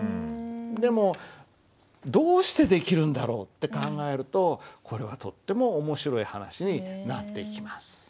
でも「どうしてできるんだろう」って考えるとこれはとっても面白い話になっていきます。